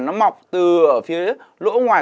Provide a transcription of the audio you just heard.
nó mọc từ phía lỗ ngoài